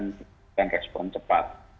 kita akan respon cepat